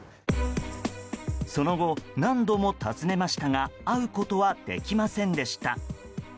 その後、何度も訪ねましたが会うことはできませんでした。